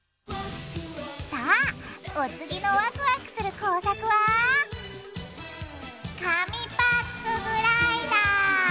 さあお次のワクワクする工作は「紙パックグライダー」！